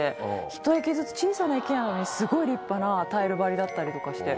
ひと駅ずつ小さな駅なのにすごい立派なタイル張りだったりとかして。